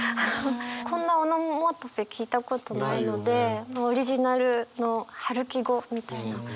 こんなオノマトペ聞いたことないのでオリジナルの春樹語みたいな。